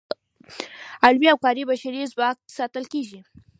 علمي او کاري بشري ځواک ساتل کیږي.